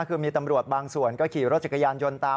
คือมีตำรวจบางส่วนก็ขี่รถจักรยานยนต์ตาม